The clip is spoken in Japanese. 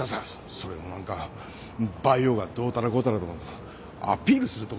それを何かバイオがどうたらこうたらとかアピールするとこ